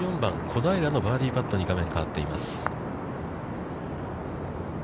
小平のバーディーパットに画面は変わっています。